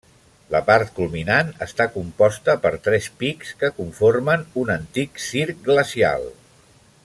La part culminant està composta per tres pics que conformen un antic circ glacial.